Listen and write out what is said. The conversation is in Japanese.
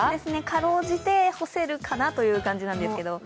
辛うじて干せるかなという感じなんですけれども。